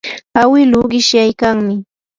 awiluu qishyaykanmi.